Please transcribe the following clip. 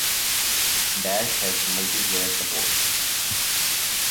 "Dash" has multiplayer support.